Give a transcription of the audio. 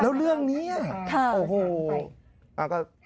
แล้วเรื่องนี้โอ้โห